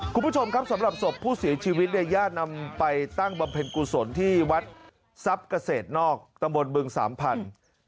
คุณผู้ชมครับสำหรับศพผู้เสียชีวิตเนี่ยญาตินำไปตั้งบำเพ็ญกุศลที่วัดทรัพย์เกษตรนอกตำบลบึงสามพันธุ์